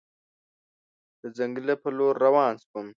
د ځنګله په لور روان شوم.